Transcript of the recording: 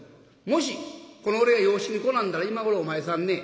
もしこの俺が養子に来なんだら今ごろお前さんね